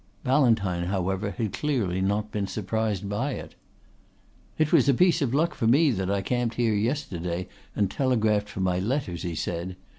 Ballantyne however had clearly not been surprised by it. "It was a piece of luck for me that I camped here yesterday and telegraphed for my letters," he said.